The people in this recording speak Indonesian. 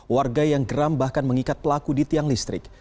warga yang geram bahkan mengikat pelaku di tiang listrik